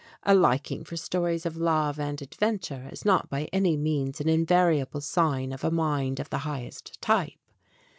A liking for stories of love and adventure is not by any means an invariable sign of a mind of the highest type.